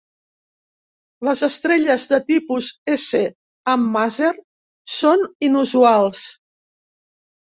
Les estrelles de tipus S amb màser són inusuals.